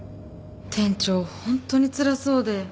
店長ホントにつらそうで。